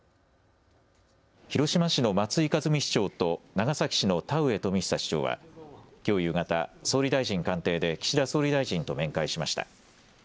広島市の松井一実市長と長崎市の田上富久市長はきょう夕方、総理大臣官邸で岸田総理大臣と面会しました。